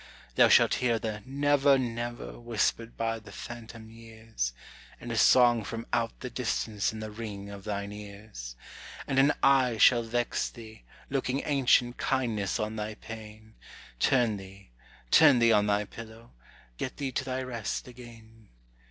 Thou shalt hear the "Never, never," whispered by the phantom years, And a song from out the distance in the ringing of thine ears; And an eye shall vex thee, looking ancient kindness on thy pain. Turn thee, turn thee on thy pillow; get thee to thy rest again.